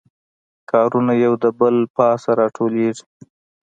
کارونه یو د بل پاسه راټولیږي